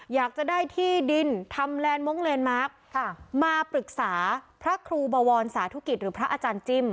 อยากจะได้ที่ดินทำแลนด์มงคลนดมาร์คมาปรึกษาพระครูบวรสาธุกิจหรือพระอาจารย์จิ้ม